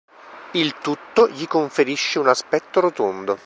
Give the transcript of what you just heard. Il tutto gli conferisce un aspetto rotondo.